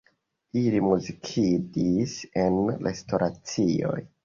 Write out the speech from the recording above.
Ili muzikadis en restoracioj.